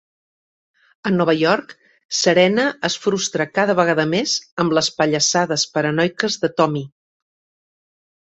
A Nova York, Serena es frustra cada vegada més amb les pallassades paranoiques de Tommy.